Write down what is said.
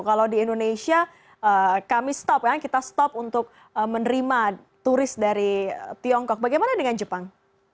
kalau di indonesia kami stop ya kita stop untuk menerima turis dari tiongkok bagaimana dengan jepang